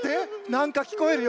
なんかきこえるよ。